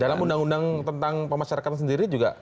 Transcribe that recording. dalam undang undang tentang pemasyarakatan sendiri juga